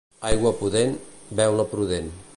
Aigua pudent, beu-la prudent.